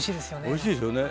おいしいですよね